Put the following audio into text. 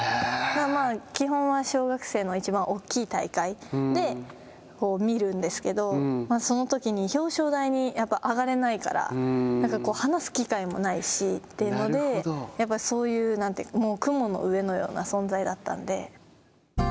基本は小学生のいちばん大きい大会で見るんですけど、そのときに表彰台に上がれないから話す機会もないしというので、そういう雲の上のような存在だったんで。